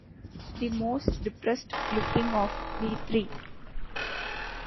The most depressed-looking of the three.